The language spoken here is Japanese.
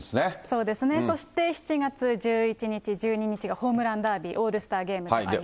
そうですね、そして７月１１日、１２日がホームランダービー、オールスターゲームがありますね。